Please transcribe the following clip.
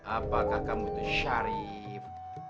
apakah kamu itu syarif